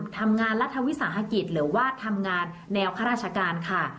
ทำงานรัฐวิสาหกิจหรือว่าทำงานแนวข้าราชการค่ะ